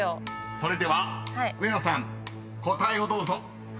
［それでは上野さん答えをどうぞ］